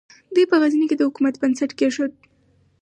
دوی په غزني کې د حکومت بنسټ کېښود.